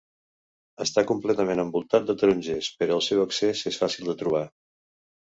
Està completament envoltat de tarongers, però el seu accés és fàcil de trobar.